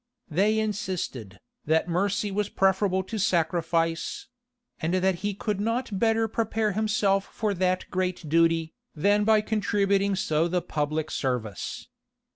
They insisted, that mercy was preferable to sacrifice; and that he could not better prepare himself for that great duty, than by contributing so the public service.